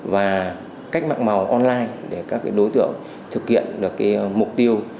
và cách mạng màu online để các đối tượng thực hiện được mục tiêu